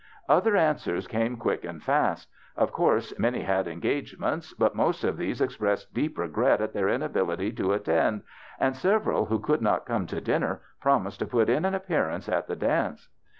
Other answers came thick and fast. Of course many had engagements, but most of these expressed deep regret at their inability to attend, and several who could not come to dinner promised to put in an appearance at the dance.